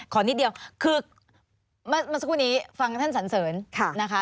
ขอนิดเดียวคือมาสักวันนี้ฟังท่านสันเสริญนะคะ